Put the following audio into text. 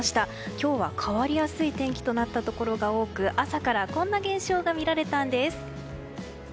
今日は変わりやすい天気となったところが多く朝からこんな現象が見られたんです。